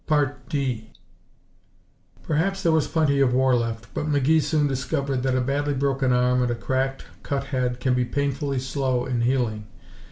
4 Perhaps there was plenty of war left, but McGee soon discovered that a badly broken arm and a cracked, cut head can be painfully slow in healing.